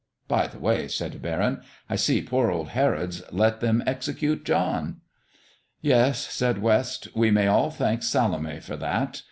"By the way," said Barron, "I see poor old Herod's let them execute John." "Yes," said West, "we may all thank Salome for that.